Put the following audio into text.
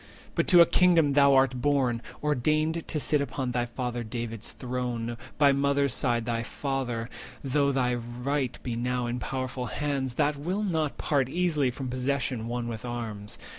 But to a Kingdom thou art born—ordained To sit upon thy father David's throne, By mother's side thy father, though thy right Be now in powerful hands, that will not part Easily from possession won with arms.